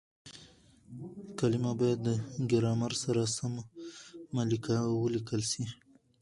کليمه بايد د ګرامر سره سمه وليکل سي.